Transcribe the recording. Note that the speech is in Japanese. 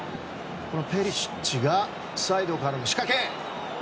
ペリシッチがサイドからの仕掛け！